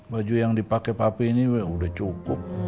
baju yang dipake papi ini udah cukup